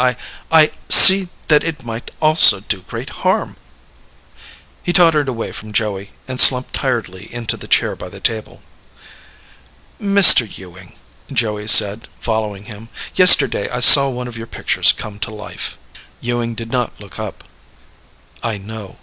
I ... I see that it might also do great harm." He tottered away from Joey and slumped tiredly into the chair by the table. "Mr. Ewing," Joey said, following him, "yesterday I saw one of your pictures come to life." Ewing did not look up. "I know.